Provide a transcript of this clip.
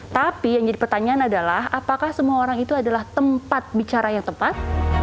tapi yang jadi pertanyaan adalah apakah semua orang itu adalah tempat bicara yang tepat